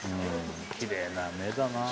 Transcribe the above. きれいな目だなぁ。